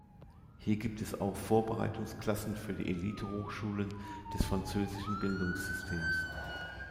Hier gibt es auch Vorbereitungsklassen für die Elitehochschulen des französischen Bildungssystems.